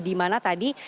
di mana tadi